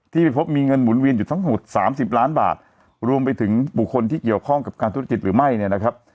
ไปพบมีเงินหมุนเวียนอยู่ทั้งหมดสามสิบล้านบาทรวมไปถึงบุคคลที่เกี่ยวข้องกับการธุรกิจหรือไม่เนี่ยนะครับ